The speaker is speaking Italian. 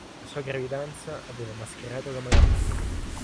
La sua gravidanza aveva mascherato la malattia.